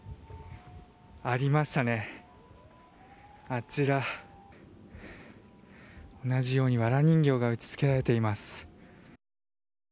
あちら、同じようにわら人形が打ち付けられています。